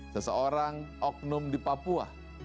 seseorang oknum di papua